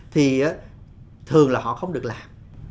thì thường là họ không được làm